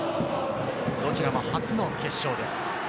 どちらも初の決勝です。